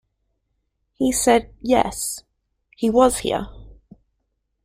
He said, yes, he was here.